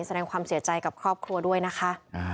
แสดงความเสียใจกับครอบครัวด้วยนะคะ